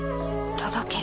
届け。